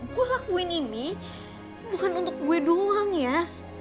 gue lakuin ini bukan untuk gue doang ya